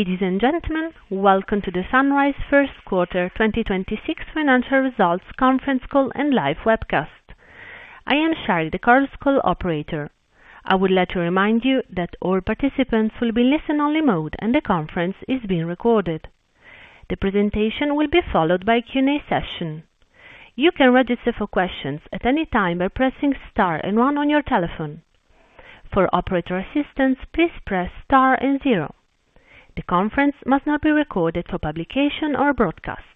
Ladies and gentlemen, welcome to the Sunrise first quarter 2026 financial results conference call and live webcast. I am Shire, the call's call operator. I would like to remind you that all participants will be listen only mode and the conference is being recorded. The presentation will be followed by a Q&A session. You can register for questions at any time by pressing star and one on your telephone. For operator assistance, please press star and zero. The conference must not be recorded for publication or broadcast.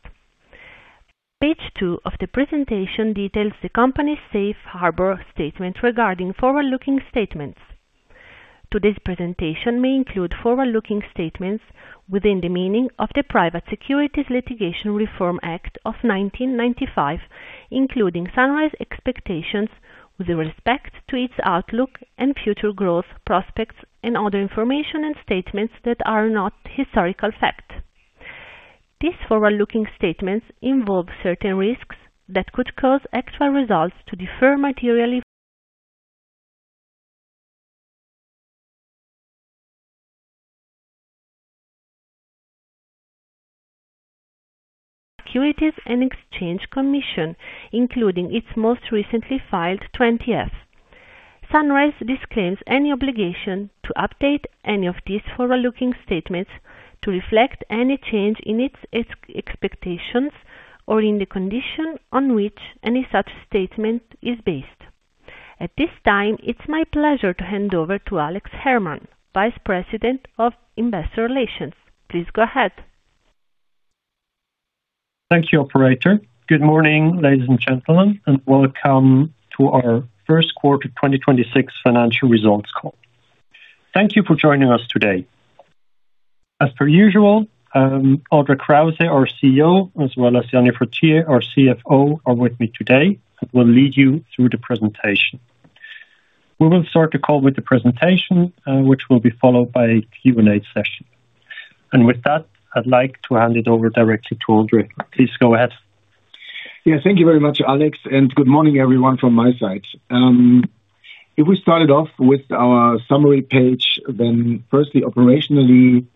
Page 2 of the presentation details the company's safe harbor statement regarding forward-looking statements. Today's presentation may include forward-looking statements within the meaning of the Private Securities Litigation Reform Act of 1995, including Sunrise expectations with respect to its outlook and future growth prospects and other information and statements that are not historical facts. These forward-looking statements involve certain risks that could cause actual results to differ materially. Securities and Exchange Commission, including its most recently filed 20-F. Sunrise disclaims any obligation to update any of these forward-looking statements to reflect any change in its expectations or in the condition on which any such statement is based. At this time, it's my pleasure to hand over to Alex Herrmann, Vice President of Investor Relations. Please go ahead. Thank you, operator. Good morning, ladies and gentlemen, and welcome to our first quarter 2026 financial results call. Thank you for joining us today. As per usual, André Krause, our CEO, as well as Jany Fruytier, our CFO, are with me today and will lead you through the presentation. We will start the call with the presentation, which will be followed by a Q&A session. With that, I'd like to hand it over directly to André. Please go ahead. Thank you very much, Alex, and good morning everyone from my side. If we started off with our summary page, then firstly, operationally,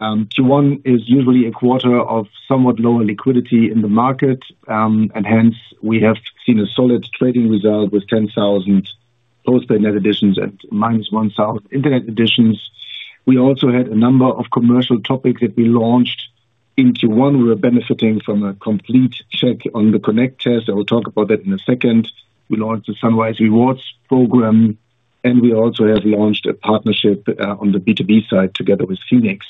Q1 is usually a quarter of somewhat lower liquidity in the market, hence we have seen a solid trading result with 10,000 post-paid net additions at minus 1,000 internet additions. We also had a number of commercial topics that we launched in Q1. We are benefiting from a complete check on the Connect test. I will talk about that in a second. We launched the Sunrise Rewards program, we also have launched a partnership on the B2B side together with Phoeniqs.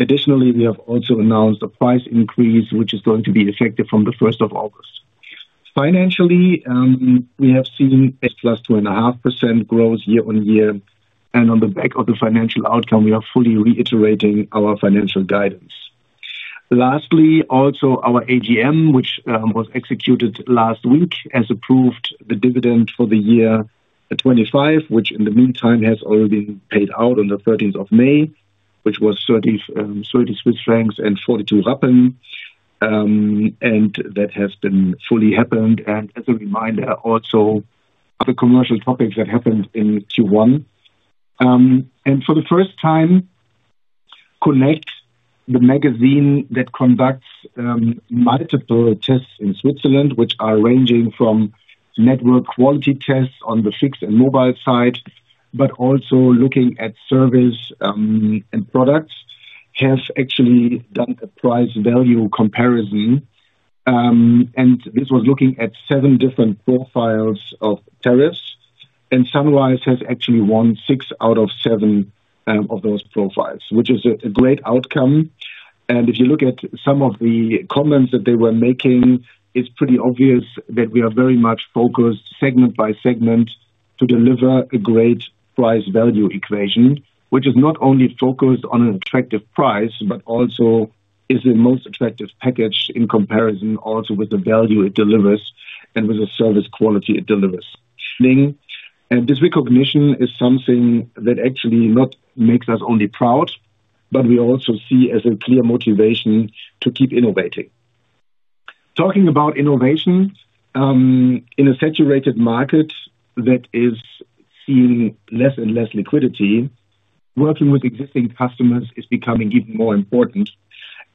Additionally, we have also announced a price increase, which is going to be effective from the first of August. Financially, we have seen a +2.5% growth year-over-year, and on the back of the financial outcome, we are fully reiterating our financial guidance. Lastly, also our AGM, which was executed last week, has approved the dividend for the year 2025, which in the meantime has already been paid out on May 13th, which was 30.42 Swiss francs, and that has been fully happened. As a reminder, also other commercial topics that happened in Q1. For the first time, Connect, the magazine that conducts multiple tests in Switzerland, which are ranging from network quality tests on the fixed and mobile side, but also looking at service and products, has actually done a price-value comparison. This was looking at 7 different profiles of tariffs. Sunrise has actually won six out of seven of those profiles, which is a great outcome. If you look at some of the comments that they were making, it's pretty obvious that we are very much focused segment by segment to deliver a great price value equation, which is not only focused on an attractive price, but also is the most attractive package in comparison also with the value it delivers and with the service quality it delivers. This recognition is something that actually not makes us only proud, but we also see as a clear motivation to keep innovating. Talking about innovation, in a saturated market that is seeing less and less liquidity, working with existing customers is becoming even more important.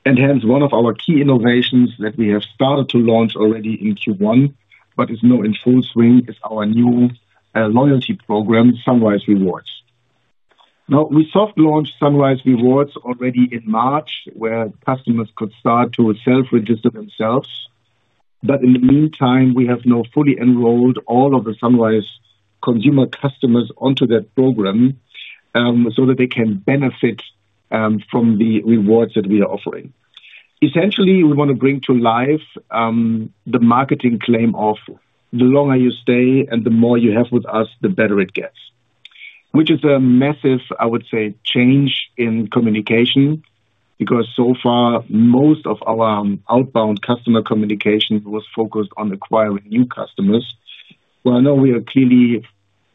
Hence one of our key innovations that we have started to launch already in Q1, but is now in full swing, is our new loyalty program, Sunrise Rewards. We soft launched Sunrise Rewards already in March, where customers could start to self-register themselves. In the meantime, we have now fully enrolled all of the Sunrise consumer customers onto that program, so that they can benefit from the rewards that we are offering. Essentially, we wanna bring to life the marketing claim of the longer you stay and the more you have with us, the better it gets. Which is a massive, I would say, change in communication because so far, most of our outbound customer communication was focused on acquiring new customers. Well, now we are clearly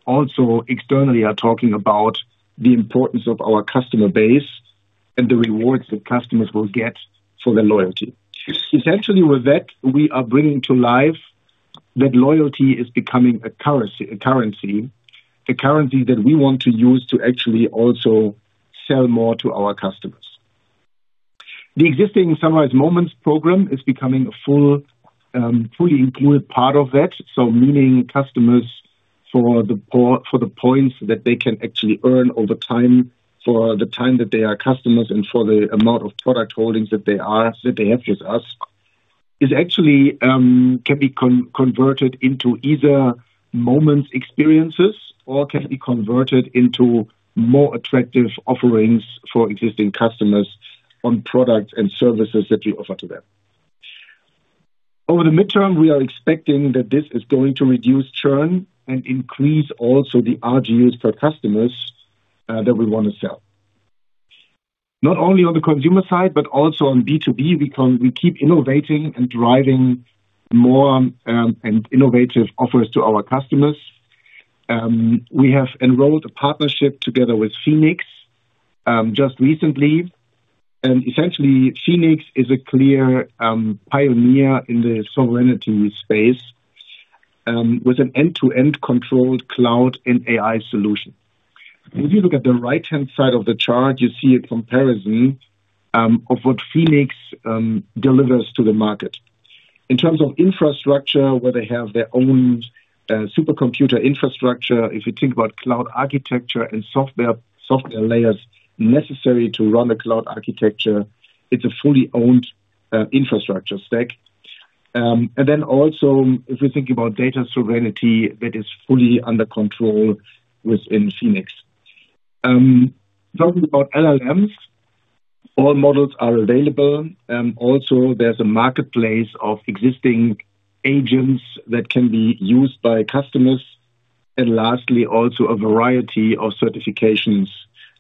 also externally are talking about the importance of our customer base and the rewards that customers will get for their loyalty. Essentially with that, we are bringing to life that loyalty is becoming a currency that we want to use to actually also sell more to our customers. The existing Sunrise Moments program is becoming a full, fully included part of that. Meaning customers for the points that they can actually earn over time for the time that they are customers and for the amount of product holdings that they have with us, is actually can be converted into either moments experiences or can be converted into more attractive offerings for existing customers on products and services that we offer to them. Over the midterm, we are expecting that this is going to reduce churn and increase also the RGUs per customers that we wanna sell. Not only on the consumer side, but also on B2B, because we keep innovating and driving more innovative offers to our customers. We have enrolled a partnership together with Phoeniqs just recently. Essentially, Phoeniqs is a clear pioneer in the sovereignty space with an end-to-end controlled cloud and AI solution. If you look at the right-hand side of the chart, you see a comparison of what Phoeniqs delivers to the market. In terms of infrastructure, where they have their own supercomputer infrastructure. If you think about cloud architecture and software layers necessary to run a cloud architecture, it's a fully owned infrastructure stack. Also, if you think about data sovereignty, that is fully under control within Phoeniqs. Talking about LLMs, all models are available. Also, there's a marketplace of existing agents that can be used by customers. Lastly, also a variety of certifications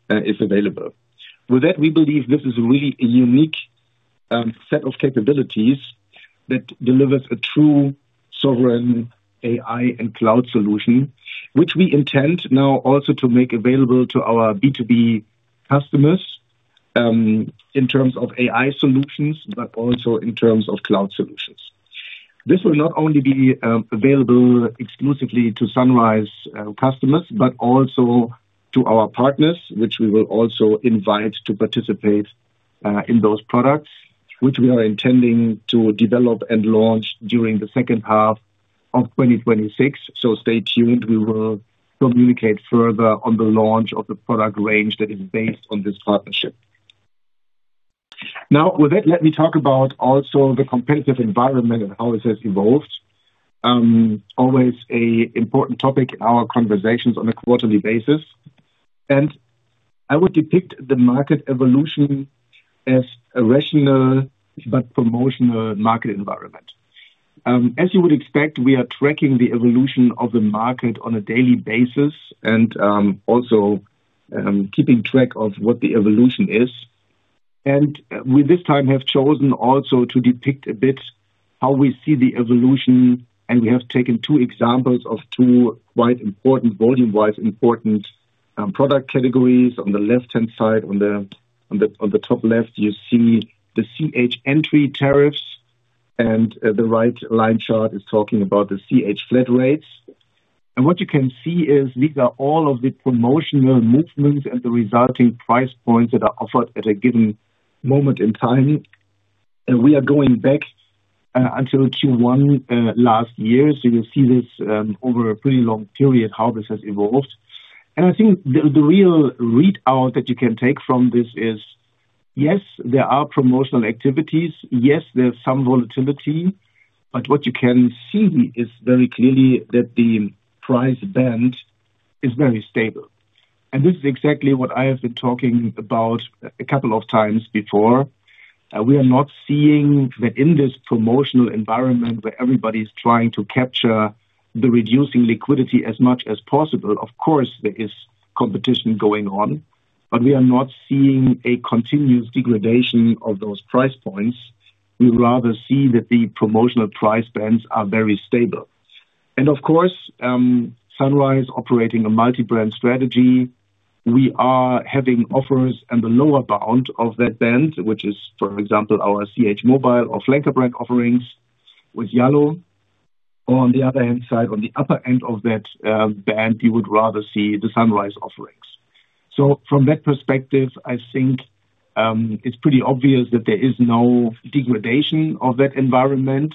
is available. With that, we believe this is really a unique set of capabilities that delivers a true sovereign AI and cloud solution, which we intend now also to make available to our B2B customers in terms of AI solutions, but also in terms of cloud solutions. This will not only be available exclusively to Sunrise customers, but also to our partners, which we will also invite to participate in those products, which we are intending to develop and launch during the second half of 2026. Stay tuned. We will communicate further on the launch of the product range that is based on this partnership. With that, let me talk about also the competitive environment and how this has evolved. Always a important topic in our conversations on a quarterly basis. I would depict the market evolution as a rational but promotional market environment. As you would expect, we are tracking the evolution of the market on a daily basis and, also, keeping track of what the evolution is. We this time have chosen also to depict a bit how we see the evolution, and we have taken two examples of two quite important, volume-wise important, product categories. On the left-hand side, on the top left, you see the CH entry tariffs, and the right line chart is talking about the CH flat rates. What you can see is these are all of the promotional movements and the resulting price points that are offered at a given moment in time. We are going back until Q1 last year. You see this over a pretty long period, how this has evolved. I think the real readout that you can take from this is, yes, there are promotional activities. Yes, there's some volatility. What you can see is very clearly that the price band is very stable. This is exactly what I have been talking about a couple of times before. We are not seeing that in this promotional environment where everybody's trying to capture the reducing liquidity as much as possible. Of course, there is competition going on. We are not seeing a continuous degradation of those price points. We rather see that the promotional price bands are very stable. Of course, Sunrise operating a multi-brand strategy. We are having offers on the lower bound of that band, which is, for example, our CHmobile or flanker brand offerings with Yallo. On the other hand side, on the upper end of that band, you would rather see the Sunrise offerings. From that perspective, I think, it's pretty obvious that there is no degradation of that environment.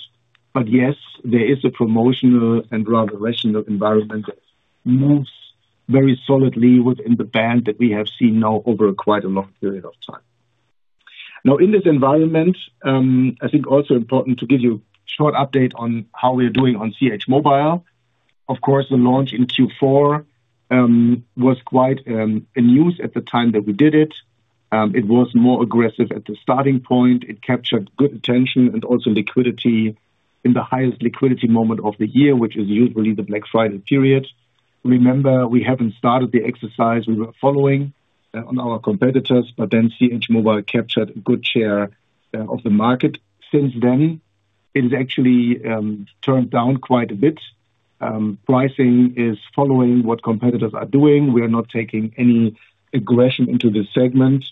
Yes, there is a promotional and rather rational environment that moves very solidly within the band that we have seen now over quite a long period of time. In this environment, I think also important to give you short update on how we're doing on CHmobile. Of course, the launch in Q4 was quite a news at the time that we did it. It was more aggressive at the starting point. It captured good attention and also liquidity in the highest liquidity moment of the year, which is usually the Black Friday period. Remember, we haven't started the exercise we were following on our competitors, but then CHmobile captured a good share of the market. Since then, it has actually turned down quite a bit. Pricing is following what competitors are doing. We are not taking any aggression into this segment.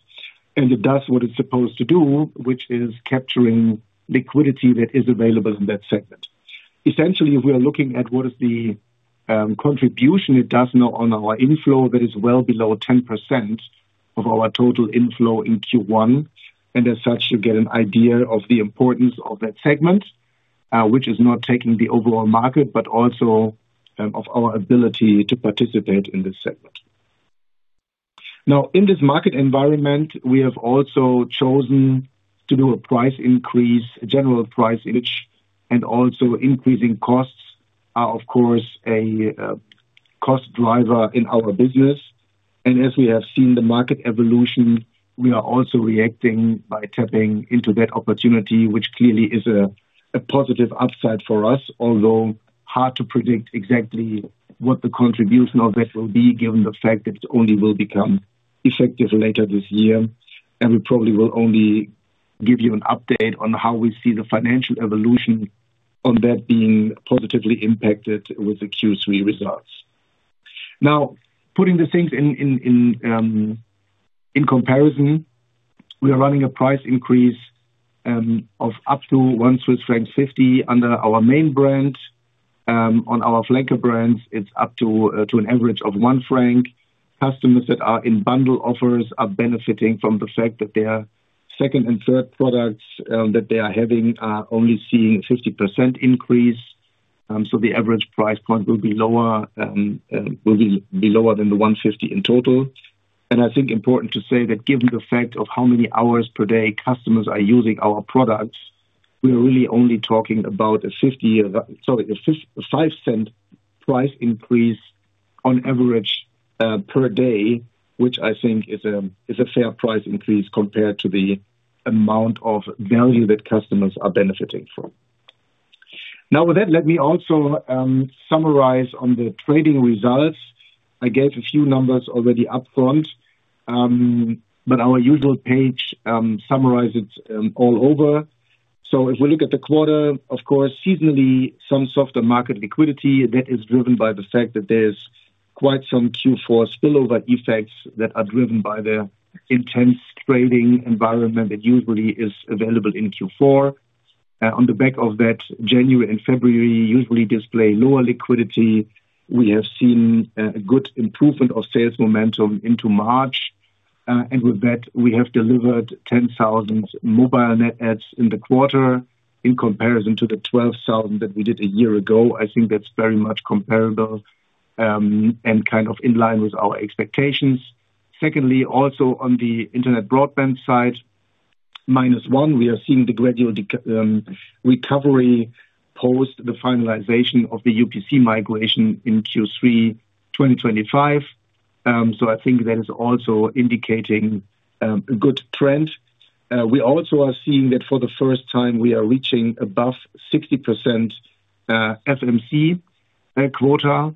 It does what it's supposed to do, which is capturing liquidity that is available in that segment. Essentially, if we are looking at what is the contribution it does now on our inflow, that is well below 10% of our total inflow in Q1. As such, you get an idea of the importance of that segment, which is not taking the overall market, but also of our ability to participate in this segment. In this market environment, we have also chosen to do a price increase, general price image, and also increasing costs are of course a cost driver in our business. As we have seen the market evolution, we are also reacting by tapping into that opportunity, which clearly is a positive upside for us. Hard to predict exactly what the contribution of that will be, given the fact that it only will become effective later this year. We probably will only give you an update on how we see the financial evolution on that being positively impacted with the Q3 results. Now, putting the things in comparison, we are running a price increase of up to 1.50 Swiss franc under our main brand. On our flanker brands, it’s up to an average of 1 franc. Customers that are in bundle offers are benefiting from the fact that their second and third products that they are having are only seeing 50% increase. The average price point will be lower than the 1.50 in total. I think important to say that given the fact of how many hours per day customers are using our products, we are really only talking about a 0.05 price increase on average per day, which I think is a fair price increase compared to the amount of value that customers are benefiting from. With that, let me also summarize on the trading results. I gave a few numbers already upfront, our usual page summarizes all over. If we look at the quarter, of course, seasonally some softer market liquidity that is driven by the fact that there's quite some Q4 spillover effects that are driven by the intense trading environment that usually is available in Q4. On the back of that, January and February usually display lower liquidity. We have seen a good improvement of sales momentum into March. With that, we have delivered 10,000 mobile net adds in the quarter in comparison to the 12,000 that we did a year ago. I think that's very much comparable and kind of in line with our expectations. Secondly, also on the internet broadband side,-1, we are seeing the gradual recovery post the finalization of the UPC migration in Q3 2025. I think that is also indicating a good trend. We also are seeing that for the first time we are reaching above 60% FMC quota.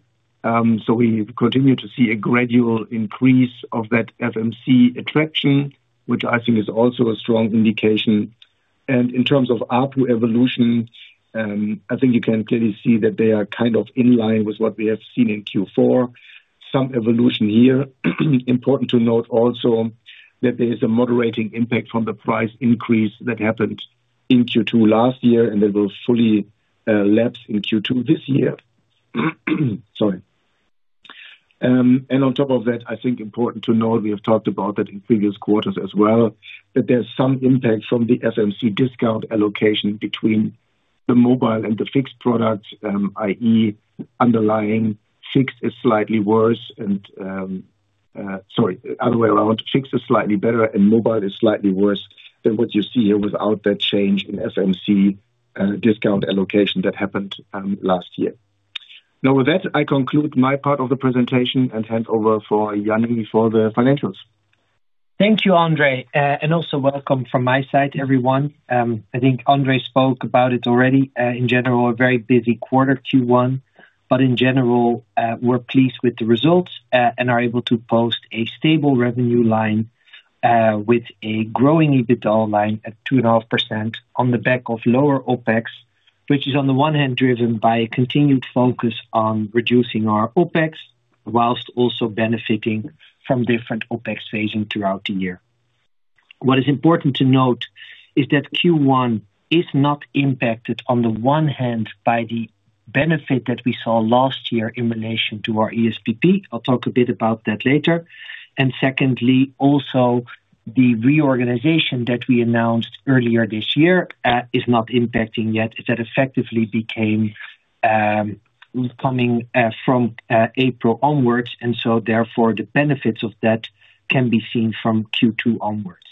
We continue to see a gradual increase of that FMC attraction, which I think is also a strong indication. In terms of ARPU evolution, I think you can clearly see that they are kind of in line with what we have seen in Q4. Some evolution here. Important to note also that there is a moderating impact from the price increase that happened in Q2 last year, and that will fully lapse in Q2 this year. Sorry. On top of that, I think important to know, we have talked about that in previous quarters as well, that there's some impact from the FMC discount allocation between the mobile and the fixed products. I.e. underlying fixed is slightly worse and Sorry, other way around. Fixed is slightly better and mobile is slightly worse than what you see here without that change in FMC discount allocation that happened last year. Now with that, I conclude my part of the presentation and hand over for Jany for the financials. Thank you, André. Also welcome from my side to everyone. I think André spoke about it already, in general, a very busy quarter Q1. In general, we're pleased with the results and are able to post a stable revenue line with a growing EBITDA line at 2.5% on the back of lower OpEx. Which is on the one hand driven by a continued focus on reducing our OpEx, whilst also benefiting from different OpEx phasing throughout the year. What is important to note is that Q1 is not impacted on the one hand by the benefit that we saw last year in relation to our ESPP. I'll talk a bit about that later. Secondly, also the reorganization that we announced earlier this year, is not impacting yet, as that effectively became coming from April onwards, so therefore the benefits of that can be seen from Q2 onwards.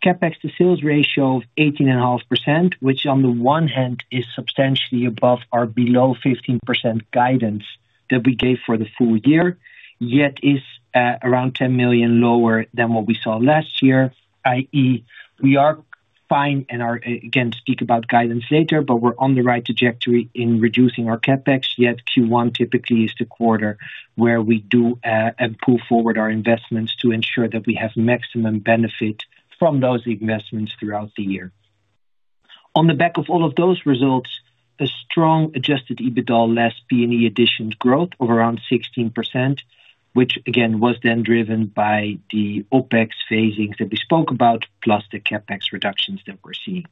CapEx to sales ratio of 18.5%, which on the one hand is substantially above or below 15% guidance that we gave for the full year, yet is around 10 million lower than what we saw last year, i.e. we are fine and are, again, speak about guidance later, but we're on the right trajectory in reducing our CapEx. Yet Q1 typically is the quarter where we do and pull forward our investments to ensure that we have maximum benefit from those investments throughout the year. On the back of all of those results, a strong adjusted EBITDA less P&E additions growth of around 16%, which again, was then driven by the OpEx phasing that we spoke about, plus the CapEx reductions that we're seeing.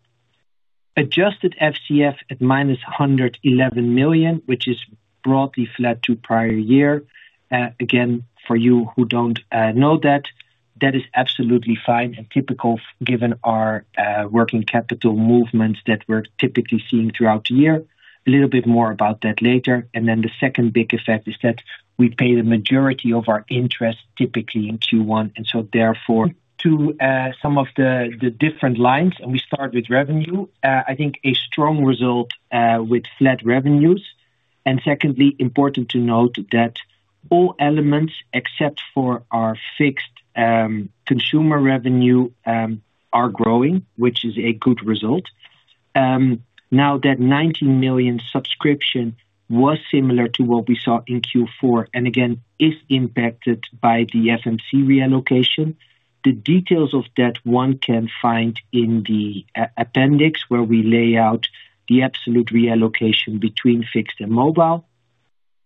Adjusted FCF at minus 111 million, which is broadly flat to prior year. Again, for you who don't know that is absolutely fine and typical given our working capital movements that we're typically seeing throughout the year. A little bit more about that later. The second big effect is that we pay the majority of our interest typically in Q1, and so therefore to some of the different lines, and we start with revenue. I think a strong result with flat revenues. Secondly, important to note that all elements except for our fixed consumer revenue are growing, which is a good result. Now that 19 million subscription was similar to what we saw in Q4, again, is impacted by the FMC reallocation. The details of that one can find in the appendix, where we lay out the absolute reallocation between fixed and mobile.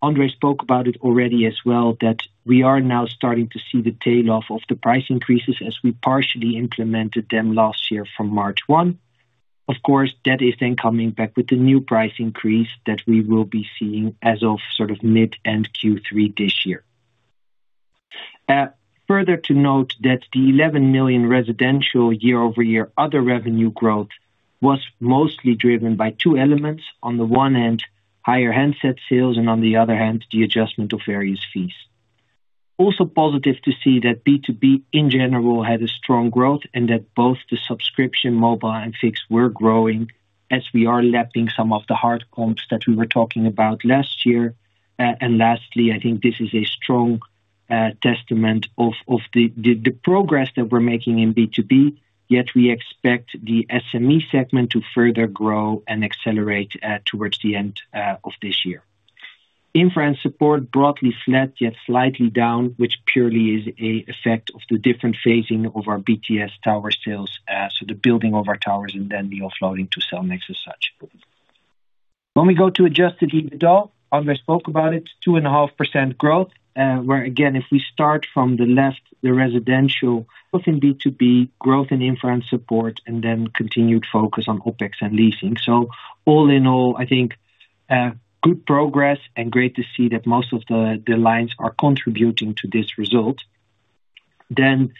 André spoke about it already as well, that we are now starting to see the tail off of the price increases as we partially implemented them last year from March 1. That is then coming back with the new price increase that we will be seeing as of sort of mid and Q3 this year. Further to note that the 11 million residential year-over-year other revenue growth was mostly driven by two elements. On the one hand, higher handset sales and on the other hand, the adjustment of various fees. Also positive to see that B2B in general had a strong growth and that both the subscription mobile and fixed were growing as we are lapping some of the hard comps that we were talking about last year. Lastly, I think this is a strong testament of the progress that we're making in B2B, yet we expect the SME segment to further grow and accelerate towards the end of this year. Infra and support broadly flat, yet slightly down, which purely is a effect of the different phasing of our BTS tower sales, so the building of our towers and then the offloading to Cellnex as such. We go to adjusted EBITDA, André spoke about it, 2.5% growth, where again, if we start from the left, Growth in B2B, growth in infra and support, and then continued focus on OpEx and leasing. All in all, I think, good progress and great to see that most of the lines are contributing to this result. When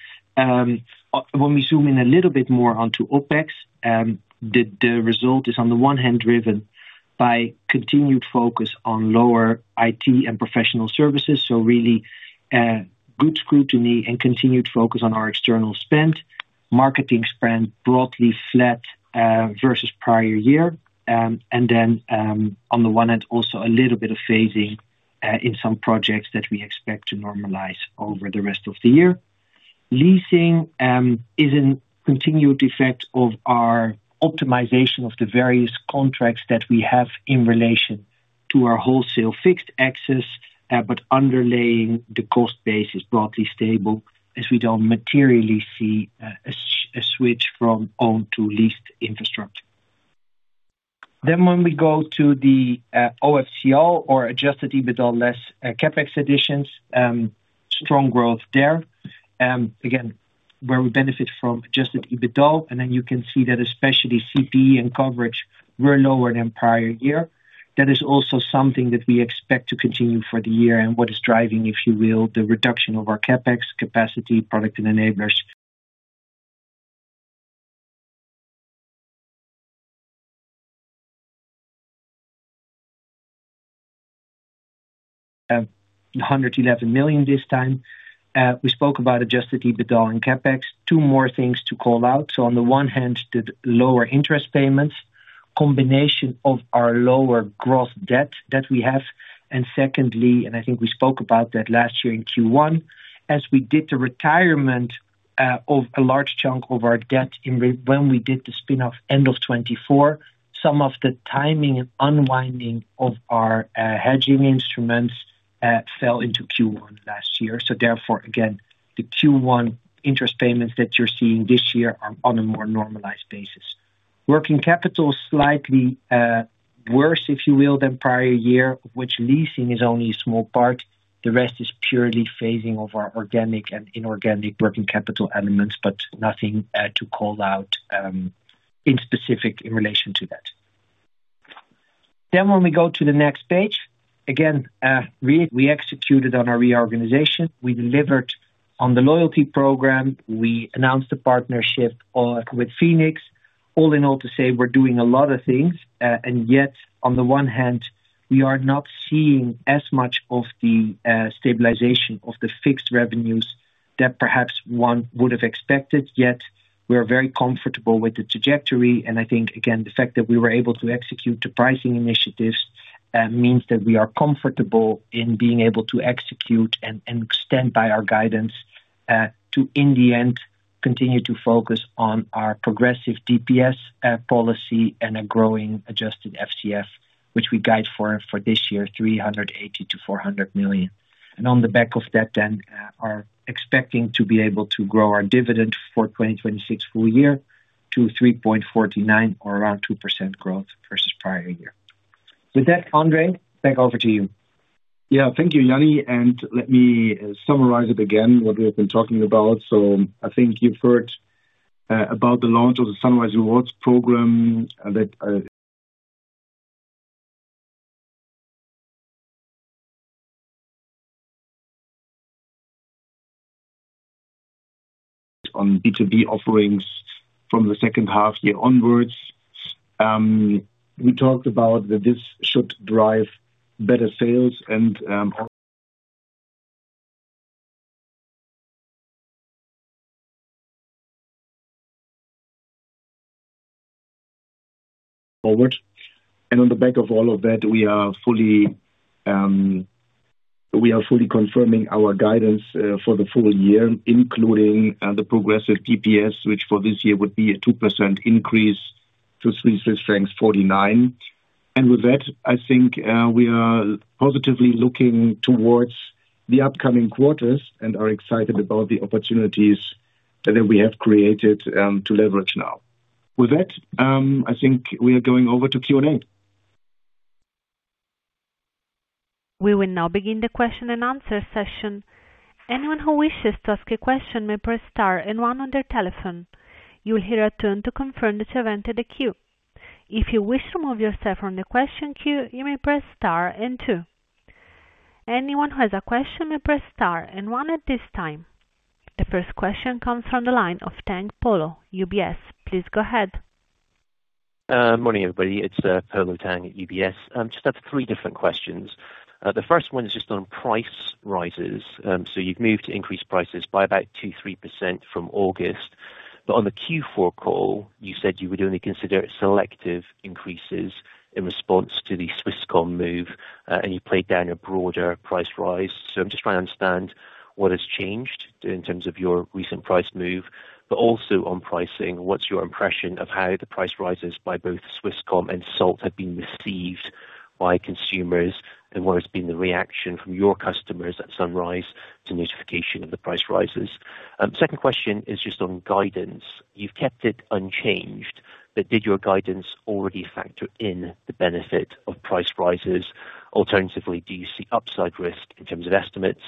we zoom in a little bit more onto OpEx, the result is on the one hand driven by continued focus on lower IT and professional services. Really, good scrutiny and continued focus on our external spend. Marketing spend broadly flat versus prior year. On the one hand, also a little bit of phasing in some projects that we expect to normalize over the rest of the year. Leasing is a continued effect of our optimization of the various contracts that we have in relation to our wholesale fixed access, underlying the cost base is broadly stable as we don't materially see a switch from owned to leased infrastructure. When we go to the OFCF or adjusted EBITDA less CapEx additions, strong growth there. Again, where we benefit from adjusted EBITDA, you can see that especially CPE and coverage were lower than prior year. That is also something that we expect to continue for the year and what is driving, if you will, the reduction of our CapEx capacity, product and enablers. 111 million this time. We spoke about adjusted EBITDA and CapEx. Two more things to call out. On the one hand, the lower interest payments, combination of our lower gross debt that we have. Secondly, I think we spoke about that last year in Q1, as we did the retirement of a large chunk of our debt when we did the spin-off end of 2024, some of the timing and unwinding of our hedging instruments fell into Q1 last year. Therefore, again, the Q1 interest payments that you're seeing this year are on a more normalized basis. Working capital is slightly worse, if you will, than prior year, which leasing is only a small part. The rest is purely phasing of our organic and inorganic working capital elements, but nothing to call out in specific in relation to that. When we go to the next page, again, we executed on our reorganization. We delivered on the loyalty program. We announced a partnership with Phoeniqs. All in all to say we're doing a lot of things, and yet on the one hand, we are not seeing as much of the stabilization of the fixed revenues that perhaps one would have expected, yet we are very comfortable with the trajectory. I think, again, the fact that we were able to execute the pricing initiatives means that we are comfortable in being able to execute and stand by our guidance to in the end, continue to focus on our progressive DPS policy and a growing adjusted FCF, which we guide for this year, 380 to 400 million. On the back of that, are expecting to be able to grow our dividend for 2026 full year to 3.49 or around 2% growth versus prior year. With that, André, back over to you. Thank you, Jany, let me summarize it again what we have been talking about. I think you've heard about the launch of the Sunrise Rewards program that On B2B offerings from the second half-year onwards. We talked about that this should drive better sales and o Forward. On the back of all of that, we are fully confirming our guidance for the full year, including the progressive DPS, which for this year would be a 2% increase to 49. With that, I think we are positively looking towards the upcoming quarters and are excited about the opportunities that we have created to leverage now. With that, I think we are going over to Q&A. We will now begin the question and answer session. Anyone who wishes to ask a question may press star one on their telephone. You will hear a tone to confirm that you have entered the queue. If you wish to remove yourself from the question queue, you may press star two. Anyone who has a question may press star one at this time. The first question comes from the line of Polo Tang, UBS. Please go ahead. Morning, everybody. It's Polo Tang at UBS. Just have three different questions. The first one is just on price rises. You've moved to increase prices by about 2% to 3% from August. On the Q4 call, you said you would only consider selective increases in response to the Swisscom move, and you played down a broader price rise. I'm just trying to understand what has changed in terms of your recent price move, but also on pricing, what's your impression of how the price rises by both Swisscom and Salt have been received by consumers and what has been the reaction from your customers at Sunrise to notification of the price rises? Second question is just on guidance. You've kept it unchanged, but did your guidance already factor in the benefit of price rises? Alternatively, do you see upside risk in terms of estimates?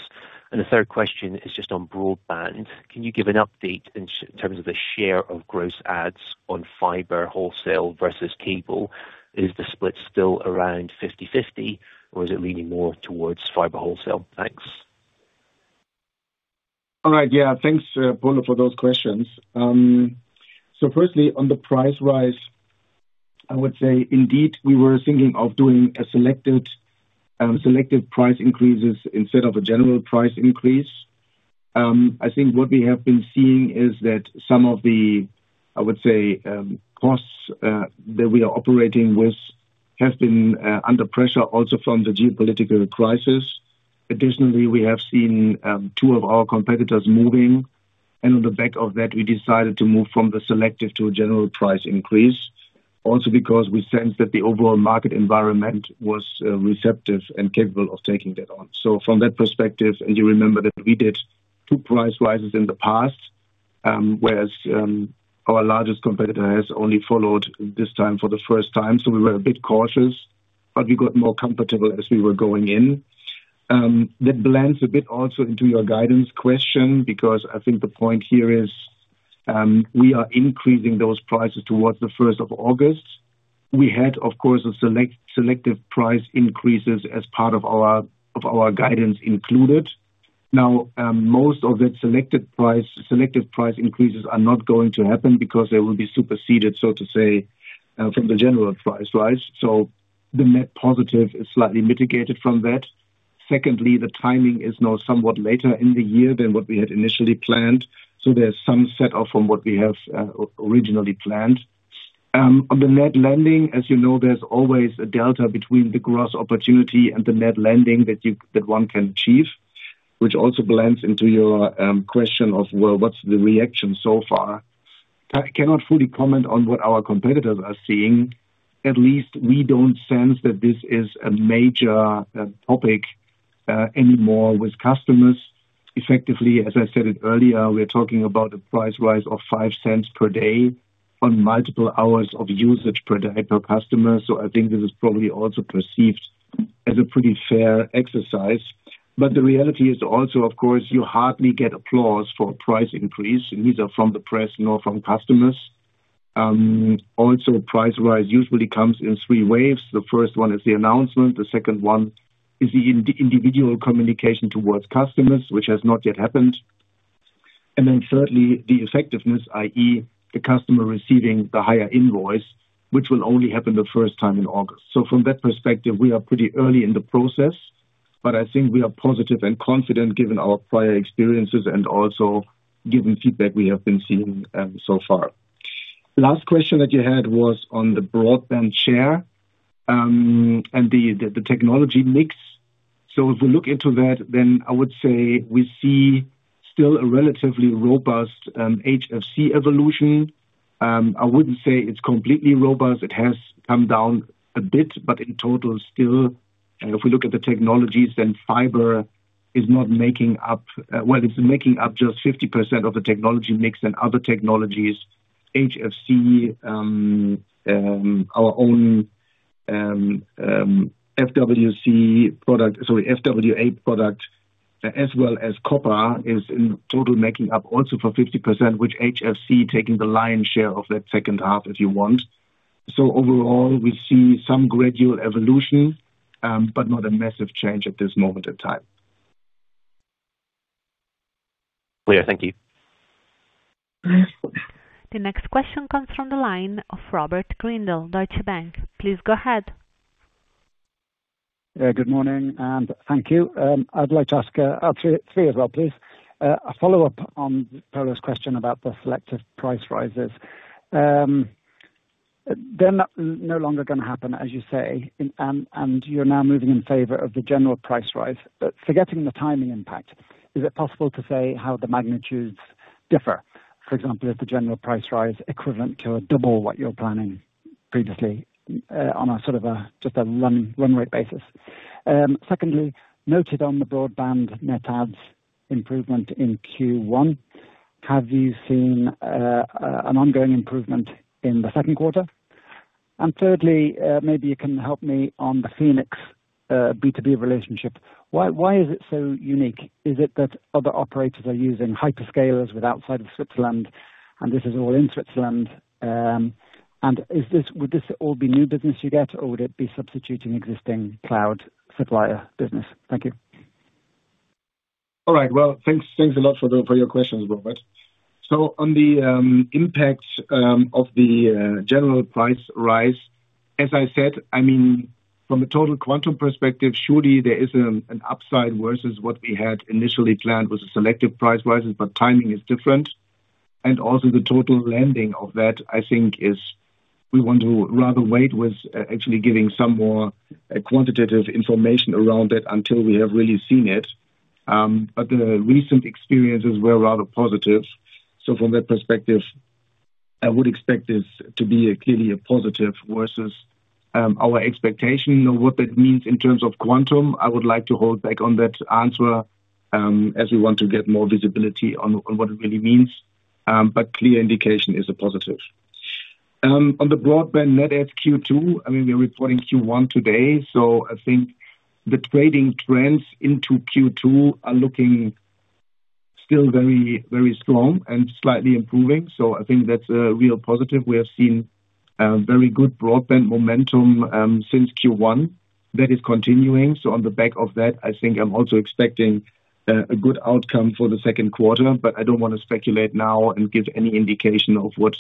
The third question is just on broadband. Can you give an update in terms of the share of gross adds on fiber wholesale versus cable? Is the split still around 50/50 or is it leaning more towards fiber wholesale? Thanks. All right. Thanks, Polo, for those questions. Firstly, on the price rise, I would say indeed we were thinking of doing a selected, selective price increases instead of a general price increase. I think what we have been seeing is that some of the, I would say, costs that we are operating with have been under pressure also from the geopolitical crisis. Additionally, we have seen two of our competitors moving, and on the back of that, we decided to move from the selective to a general price increase. Because we sensed that the overall market environment was receptive and capable of taking that on. From that perspective, and you remember that we did two price rises in the past, whereas our largest competitor has only followed this time for the first time. We were a bit cautious, but we got more comfortable as we were going in. That blends a bit also into your guidance question because I think the point here is, we are increasing those prices towards the 1st of August. We had, of course, a selective price increases as part of our guidance included. Most of the selective price increases are not going to happen because they will be superseded, so to say, from the general price rise. The net positive is slightly mitigated from that. Secondly, the timing is now somewhat later in the year than what we had initially planned. There's some set off from what we have originally planned. On the net lending, as you know, there's always a delta between the gross opportunity and the net lending that one can achieve, which also blends into your question of, well, what's the reaction so far? I cannot fully comment on what our competitors are seeing. At least we don't sense that this is a major topic anymore with customers. Effectively, as I said it earlier, we're talking about a price rise of 0.05 per day on multiple hours of usage per day per customer. I think this is probably also perceived as a pretty fair exercise. The reality is also, of course, you hardly get applause for a price increase, neither from the press nor from customers. Price rise usually comes in 3 waves. The first one is the announcement, the second one is the individual communication towards customers, which has not yet happened. Thirdly, the effectiveness, i.e., the customer receiving the higher invoice, which will only happen the first time in August. From that perspective, we are pretty early in the process, but I think we are positive and confident given our prior experiences and also given feedback we have been seeing so far. Last question that you had was on the broadband share and the technology mix. If we look into that, I would say we see still a relatively robust HFC evolution. I wouldn't say it's completely robust. It has come down a bit. In total, still, if we look at the technologies, then fiber is not making up, Well, it's making up just 50% of the technology mix, and other technologies HFC, our own FWA product, sorry, FWA product, as well as copper is in total making up also for 50%, with HFC taking the lion's share of that second half, if you want. Overall, we see some gradual evolution, but not a massive change at this moment in time. Clear. Thank you. The next question comes from the line of Robert Grindle, Deutsche Bank. Please go ahead. Yeah, good morning, and thank you. I'd like to ask, actually three as well, please. A follow-up on Polo's question about the selective price rises. They're not no longer gonna happen, as you say, and you're now moving in favor of the general price rise. Forgetting the timing impact, is it possible to say how the magnitudes differ? For example, is the general price rise equivalent to double what you're planning previously, on a sort of a just a run rate basis? Secondly, noted on the broadband net adds improvement in Q1, have you seen an ongoing improvement in the second quarter? Thirdly, maybe you can help me on the Phoeniqs B2B relationship. Why is it so unique? Is it that other operators are using hyperscalers with outside of Switzerland, and this is all in Switzerland? Would this all be new business you get or would it be substituting existing cloud supplier business? Thank you. All right. Well, thanks a lot for the, for your questions, Robert. On the impact of the general price rise, as I said, I mean, from a total quantum perspective, surely there is an upside versus what we had initially planned with selective price rises, but timing is different. Also the total lending of that, I think is we want to rather wait with actually giving some more quantitative information around it until we have really seen it. The recent experiences were rather positive. From that perspective, I would expect this to be a clearly a positive versus our expectation. Now, what that means in terms of quantum, I would like to hold back on that answer as we want to get more visibility on what it really means. Clear indication is a positive. On the broadband net adds Q two, I mean, we're reporting Q one today, I think the trading trends into Q two are looking still very, very strong and slightly improving. I think that's a real positive. We have seen very good broadband momentum since Q one. That is continuing, on the back of that, I think I'm also expecting a good outcome for the second quarter. I don't want to speculate now and give any indication of what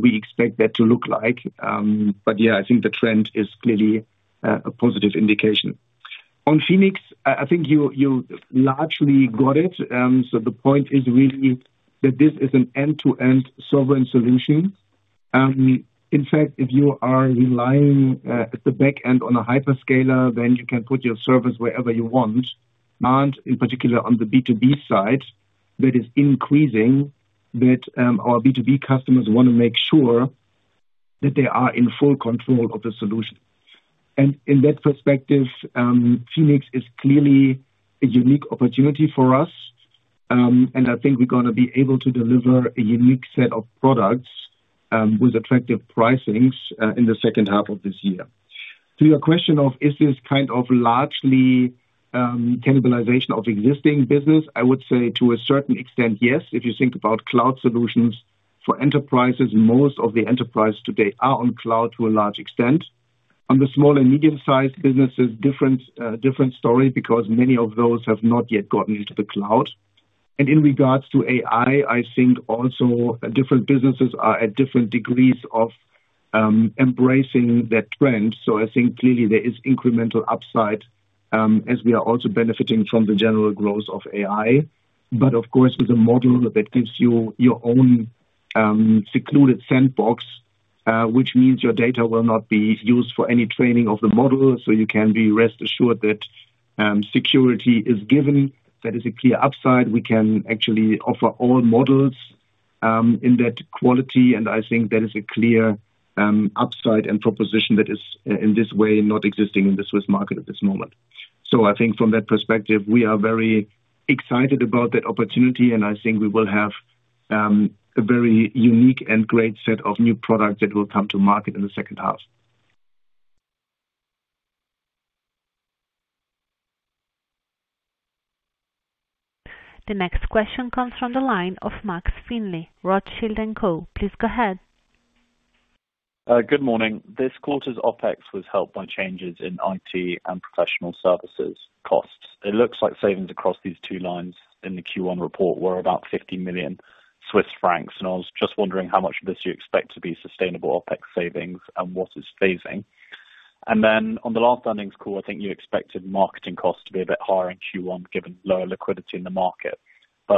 we expect that to look like. Yeah, I think the trend is clearly a positive indication. On Phoeniqs, I think you largely got it. The point is really that this is an end-to-end sovereign solution. In fact, if you are relying at the back end on a hyperscaler, then you can put your servers wherever you want. In particular, on the B2B side, that is increasing that, our B2B customers wanna make sure that they are in full control of the solution. In that perspective, Phoeniqs is clearly a unique opportunity for us. I think we're gonna be able to deliver a unique set of products with attractive pricings in the second half of this year. To your question of, is this kind of largely cannibalization of existing business? I would say to a certain extent, yes. If you think about cloud solutions for enterprises, most of the enterprise today are on cloud to a large extent. On the small and medium-sized businesses, different story, because many of those have not yet gotten into the cloud. In regards to AI, I think also different businesses are at different degrees of embracing that trend. I think clearly there is incremental upside as we are also benefiting from the general growth of AI. Of course, with a model that gives you your own secluded sandbox, which means your data will not be used for any training of the model. You can be rest assured that security is given. That is a clear upside. We can actually offer all models in that quality, and I think that is a clear upside and proposition that is in this way, not existing in the Swiss market at this moment. I think from that perspective, we are very excited about that opportunity, and I think we will have a very unique and great set of new products that will come to market in the second half. The next question comes from the line of Max Findlay, Rothschild & Co. Please go ahead. Good morning. This quarter's OpEx was helped by changes in IT and professional services costs. It looks like savings across these two lines in the Q1 report were about 50 million Swiss francs, I was just wondering how much of this you expect to be sustainable OpEx savings and what is phasing. On the last earnings call, I think you expected marketing costs to be a bit higher in Q1, given lower liquidity in the market.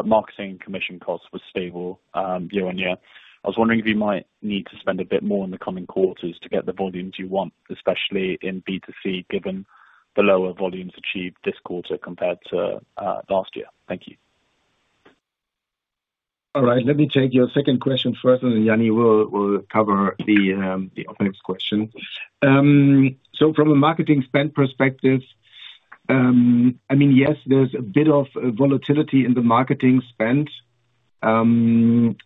Marketing commission costs were stable, year-on-year. I was wondering if you might need to spend a bit more in the coming quarters to get the volumes you want, especially in B2C, given the lower volumes achieved this quarter compared to last year. Thank you. All right. Let me take your second question first. Jany will cover the OpEx question. From a marketing spend perspective, I mean, yes, there's a bit of volatility in the marketing spend. I mean,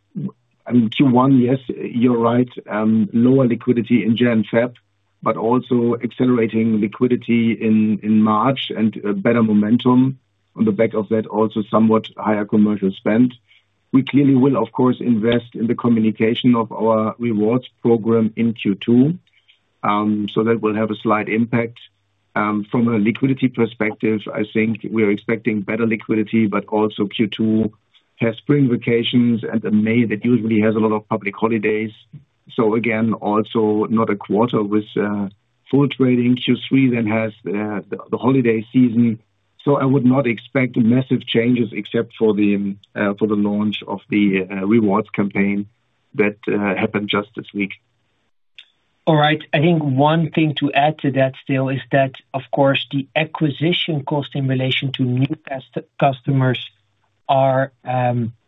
Q1, yes, you're right, lower liquidity in January, February, but also accelerating liquidity in March and better momentum on the back of that also somewhat higher commercial spend. We clearly will of course invest in the communication of our Sunrise Rewards program in Q2, that will have a slight impact. From a liquidity perspective, I think we are expecting better liquidity, but also Q2 has spring vacations and a May that usually has a lot of public holidays. Again, also not a quarter with full trading. Q3 has the holiday season. I would not expect massive changes except for the launch of the Sunrise Rewards that happened just this week. All right. I think one thing to add to that still is that, of course, the acquisition cost in relation to new customers are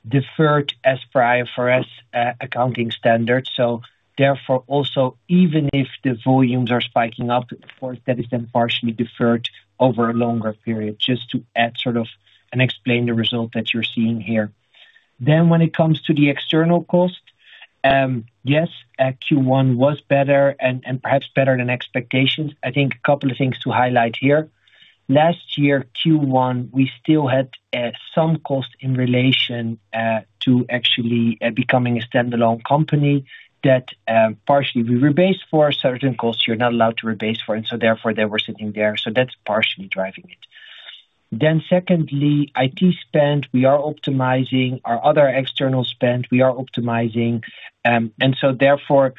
deferred as per IFRS accounting standards. Therefore also even if the volumes are spiking up, of course that is then partially deferred over a longer period. Just to add sort of and explain the result that you're seeing here. When it comes to the external cost, yes, Q1 was better and perhaps better than expectations. I think a couple of things to highlight here. Last year, Q1, we still had some cost in relation to actually becoming a standalone company that partially we rebase for certain costs you're not allowed to rebase for, therefore they were sitting there. That's partially driving it. Secondly, IT spend, we are optimizing. Our other external spend, we are optimizing. Therefore,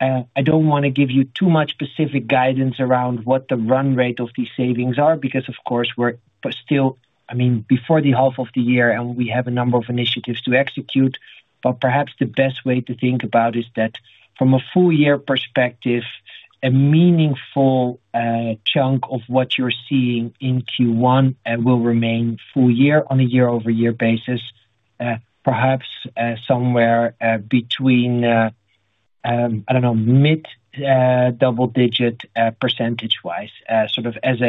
I don't want to give you too much specific guidance around what the run rate of these savings are because, of course, we're still I mean, before the half of the year, and we have a number of initiatives to execute. Perhaps the best way to think about is that from a full year perspective, a meaningful chunk of what you're seeing in Q1 will remain full year on a year-over-year basis, perhaps somewhere between, I don't know, mid double-digit percentage-wise, sort of as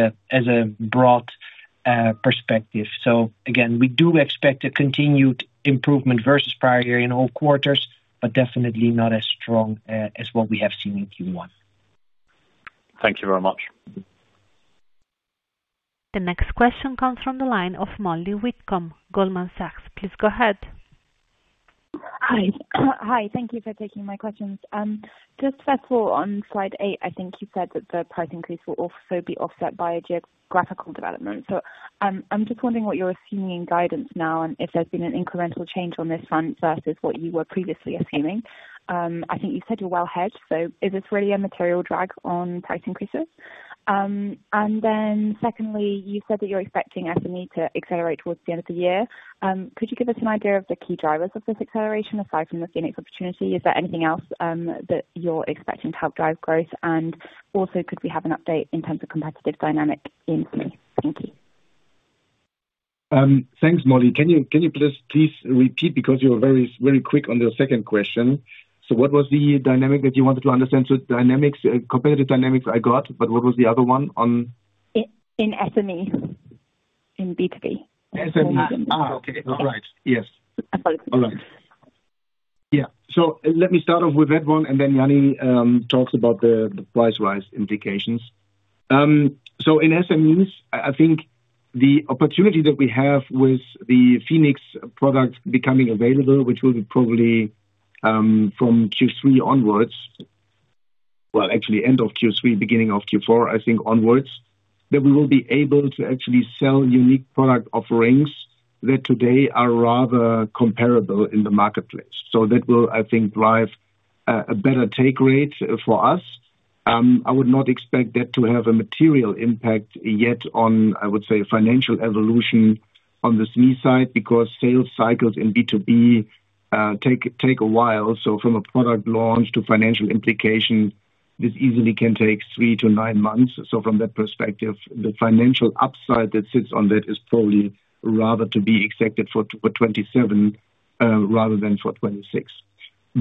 a broad perspective. Again, we do expect a continued improvement versus prior year in all quarters, but definitely not as strong as what we have seen in Q1. Thank you very much. The next question comes from the line of Molly Whitcomb, Goldman Sachs. Please go ahead. Hi. Thank you for taking my questions. Just first of all, on slide 8, I think you said that the price increase will also be offset by a geographical development. I'm just wondering what you're assuming in guidance now and if there's been an incremental change on this front versus what you were previously assuming. I think you said you're well hedged, is this really a material drag on price increases? Secondly, you said that you're expecting SME to accelerate towards the end of the year. Could you give us an idea of the key drivers of this acceleration aside from the Phoeniqs opportunity? Is there anything else that you're expecting to help drive growth? Could we have an update in terms of competitive dynamic in SME? Thank you. Thanks, Molly. Can you please repeat because you're very quick on your second question? What was the dynamic that you wanted to understand? Dynamics, competitive dynamics I got, but what was the other one on? In SME. In B2B. SME. Okay. All right. Yes. I apologize. All right. Yeah. Let me start off with that one, and then Jany Fruytier talks about the price rise implications. In SMEs, I think the opportunity that we have with the Phoeniqs product becoming available, which will be probably from Q3 onwards, well, actually end of Q3, beginning of Q4, I think onwards, that we will be able to actually sell unique product offerings that today are rather comparable in the marketplace. That will, I think, drive a better take rate for us. I would not expect that to have a material impact yet on, I would say, financial evolution on the SME side because sales cycles in B2B take a while. From a product launch to financial implication, this easily can take three to nine months. From that perspective, the financial upside that sits on that is probably rather to be expected for 2027, rather than for 2026.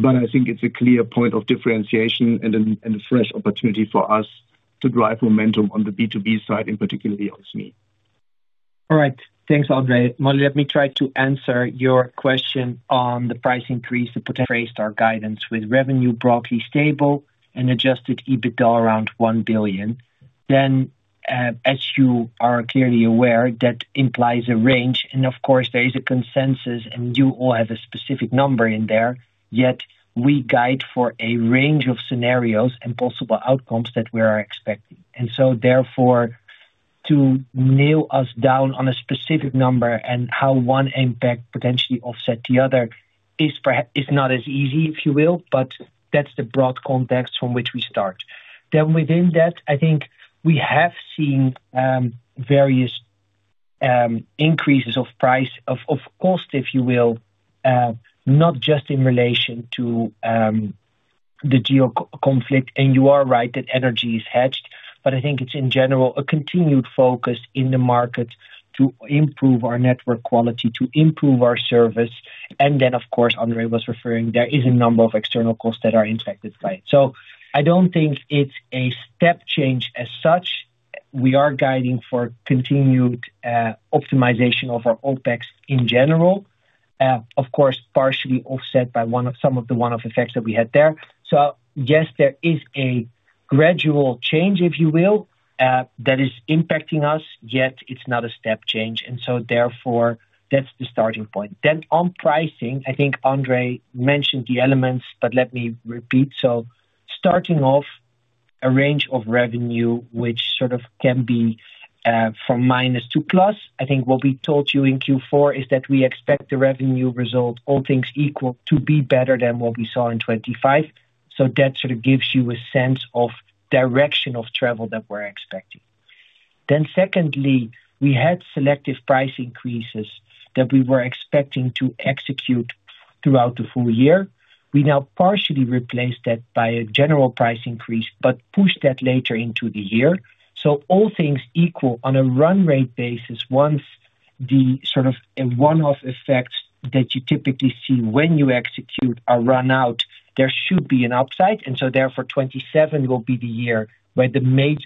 I think it's a clear point of differentiation and a fresh opportunity for us to drive momentum on the B2B side, in particularly on SME. All right. Thanks, André. Molly, let me try to answer your question on the price increase to potentially raise our guidance with revenue broadly stable and adjusted EBITDA around 1 billion. As you are clearly aware, that implies a range and of course there is a consensus and you all have a specific number in there, yet we guide for a range of scenarios and possible outcomes that we are expecting. Therefore, to nail us down on a specific number and how one impact potentially offset the other is not as easy, if you will, but that's the broad context from which we start. Within that, I think we have seen various increases of price, of cost, if you will, not just in relation to the conflict. You are right that energy is hedged, I think it's in general a continued focus in the market to improve our network quality, to improve our service. Of course, André was referring there is a number of external costs that are impacted by it. I don't think it's a step change as such. We are guiding for continued optimization of our OpEx in general. Of course, partially offset by one of some of the one-off effects that we had there. Yes, there is a gradual change, if you will, that is impacting us. Yet, it's not a step change, and so therefore, that's the starting point. On pricing, I think André mentioned the elements, let me repeat. Starting off a range of revenue, which sort of can be from minus to plus. I think what we told you in Q4 is that we expect the revenue result, all things equal, to be better than what we saw in 25. That sort of gives you a sense of direction of travel that we're expecting. Secondly, we had selective price increases that we were expecting to execute throughout the full year. We now partially replaced that by a general price increase, but pushed that later into the year. All things equal on a run rate basis, once the sort of a one-off effects that you typically see when you execute are run out, there should be an upside. Therefore, 27 will be the year where the